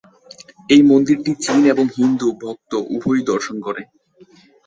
এই মন্দিরটি চীন এবং হিন্দু ভক্ত উভয়ই দর্শন করে।